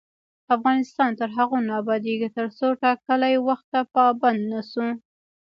افغانستان تر هغو نه ابادیږي، ترڅو ټاکلي وخت ته پابند نشو.